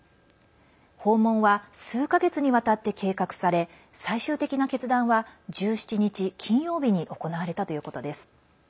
訪問は数か月にわたって計画され最終的な決断は、１７日金曜日に行われたということです。